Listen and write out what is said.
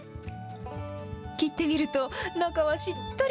切ってみると、中はしっとり。